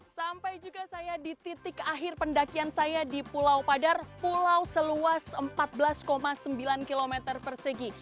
sampai juga saya di titik akhir pendakian saya di pulau padar pulau seluas empat belas sembilan km persegi